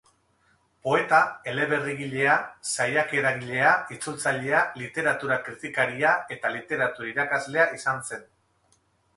Poeta, eleberrigilea, saiakeragilea, itzultzailea, literatura-kritikaria eta literatura-irakaslea izan zen.